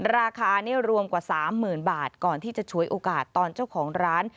ราคานี่รวมกว่า๓๐๐๐บาทก่อนที่จะฉวยโอกาสตอนเจ้าของร้าน